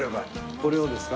これをですか？